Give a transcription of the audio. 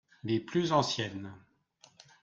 Les plus anciennes.